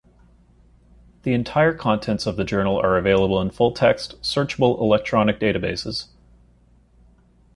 The entire contents of the journal are available in full-text, searchable electronic databases.